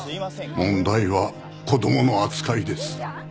問題は子供の扱いです。